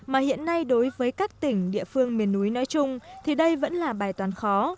mà hiện nay đối với các tỉnh địa phương miền núi nói chung thì đây vẫn là bài toán khó